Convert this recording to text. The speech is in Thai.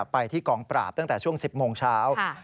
ไปที่กองปราบตั้งแต่ช่วง๑๐โมงเช้า